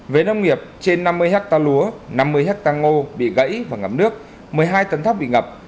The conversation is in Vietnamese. với nông nghiệp trên năm mươi ha lúa năm mươi ha ngô bị gãy và ngắm nước một mươi hai tấn thắp bị ngập